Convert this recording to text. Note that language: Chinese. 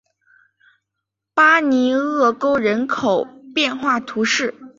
巴尼厄沟人口变化图示